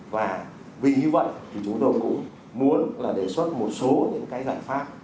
và vì như vậy thì chúng tôi cũng muốn là đề xuất một số những cái giải pháp